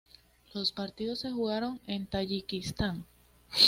Los partidos se jugaron en Tayikistán.